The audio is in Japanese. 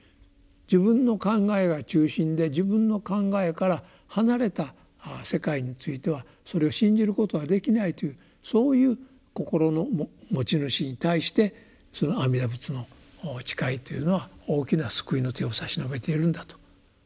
自分の考えが中心で自分の考えから離れた世界についてはそれを信じることはできないというそういう心の持ち主に対してその阿弥陀仏の誓いというのは大きな救いの手を差し伸べているんだと。